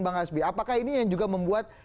bang hasbi apakah ini yang juga membuat